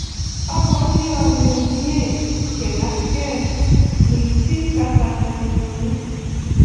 obwoti ale mie keng'atgei mising kasarta nenyonei